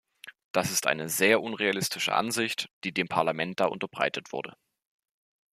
Das ist eine sehr unrealistische Ansicht, die dem Parlament da unterbreitet wurde.